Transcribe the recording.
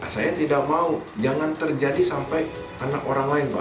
saya tidak mau jangan terjadi sampai anak orang lain pak